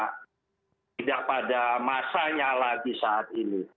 tidak pada masanya lagi saat ini